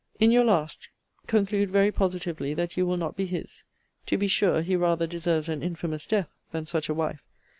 In your last, conclude very positively that you will not be his. To be sure, he rather deserves an infamous death than such a wife.